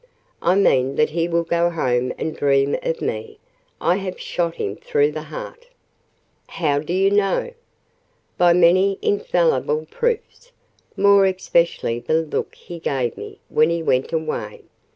"I mean that he will go home and dream of me. I have shot him through the heart!" "How do you know?" "By many infallible proofs: more especially the look he gave me when he went away.